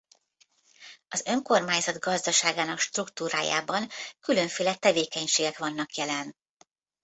Az önkormányzat gazdaságának struktúrájában különféle tevékenységek vannak jelen.